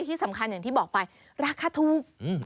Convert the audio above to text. ที่สำคัญอย่างที่บอกไปราคาถูก